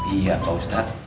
iya pak ustadz